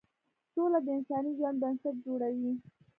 سوله د انساني ژوند بنسټ جوړوي.